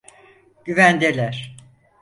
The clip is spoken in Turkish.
Güvendeler.